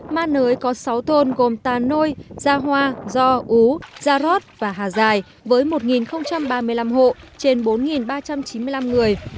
ma nới có sáu thôn gồm tà nôi gia hoa do ú gia rót và hà giải với một ba mươi năm hộ trên bốn ba trăm chín mươi năm người